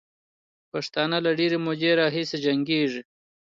پښتانه له ډېرې مودې راهیسې جنګېږي.